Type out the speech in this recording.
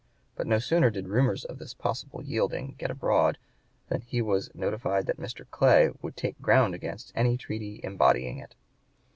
But no sooner did rumors of this possible yielding get abroad than he was notified that Mr. Clay "would take ground against" any treaty embodying it.